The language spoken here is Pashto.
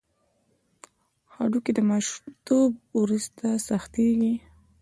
هډوکي د ماشومتوب وروسته سختېږي.